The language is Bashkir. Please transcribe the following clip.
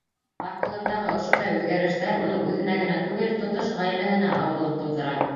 Аҡылындағы ошондай үҙгәрештәр уның үҙенә генә түгел, тотош ғаиләһенә ауырлыҡ тыуҙыра.